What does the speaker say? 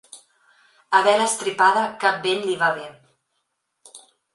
A vela estripada cap vent li va bé.